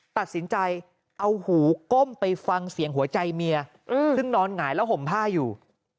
ตัดสินใจเอาหูก้มไปฟังเสียงหัวใจเมียซึ่งนอนหงายแล้วห่มผ้าอยู่